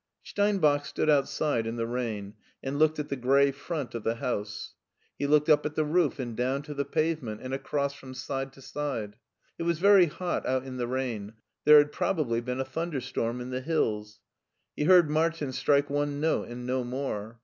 Steinbach stood outside in the rain and looked at the gray front of the house. He looked up at the roof and down to the pavement, and across from side to side. It was very hot out in the rain; there had probably been a thunderstorm in the hills. He heard Martin strike one note and no more.